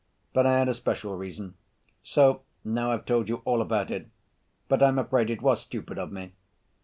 But I had a special reason. So now I've told you all about it ... but I'm afraid it was stupid of me."